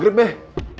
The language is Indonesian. udah tidur deh